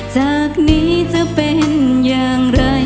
จากนี้จะเป็นอย่างไร